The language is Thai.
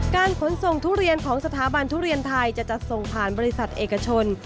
การขนส่งทุเรียนของสถาบันทุเรียนไทยจะจัดส่งผ่านบริษัทเอกชน